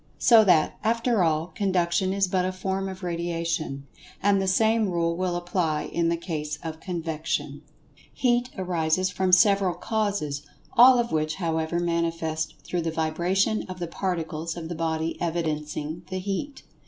So that, after all, Conduction is but a form of Radiation. And the same rule will apply in the case of Convection. Heat arises from several causes, all of which, however, manifest through the vibration of the Particles of the body evidencing the Heat.